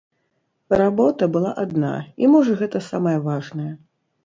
Работа была адна, і можа гэта самае важнае.